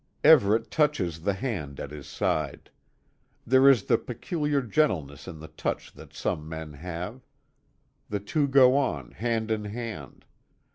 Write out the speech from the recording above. Everet touches the hand at his side. There is the peculiar gentleness in the touch that some men have. The two go on, hand in hand.